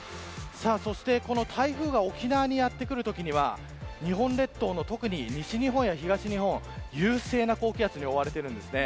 そして、この台風が沖縄にやってくるときには日本列島の特に西日本や東日本優勢な高気圧に覆われているんですね。